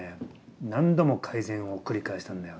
何度も改善を繰り返したんだよね。